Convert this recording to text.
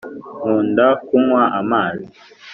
nkunda kunywa amazi